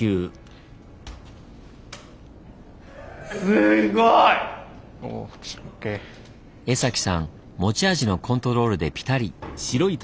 すごい！江崎さん持ち味のコントロールでぴたり。